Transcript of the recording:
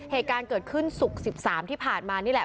เหตุการณ์เกิดขึ้นศุกร์๑๓ที่ผ่านมานี่แหละ